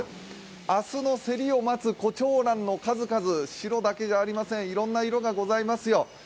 明日の競りを待つこちょうらんの数々、白だけじゃありませんいろんな色がございますよ。